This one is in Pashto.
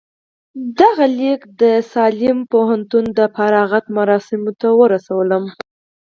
دغه ليک زه د ساليم کالج د فراغت مراسمو ته ورسولم.